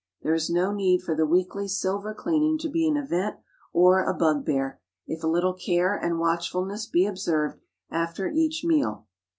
There is no need for the weekly silver cleaning to be an event or a bugbear, if a little care and watchfulness be observed after each meal.